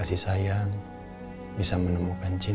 rena bisa kembali